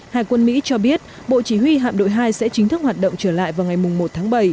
hải quân mỹ cho biết bộ chỉ huy hạm đội hai sẽ chính thức hoạt động trở lại vào ngày một tháng bảy